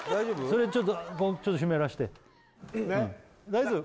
それちょっとちょっと湿らせて大丈夫？